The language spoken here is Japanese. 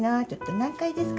「何階ですか？」